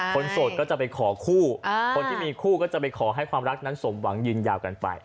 โสดก็จะไปขอคู่คนที่มีคู่ก็จะไปขอให้ความรักนั้นสมหวังยืนยาวกันไป